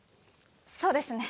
そうですね。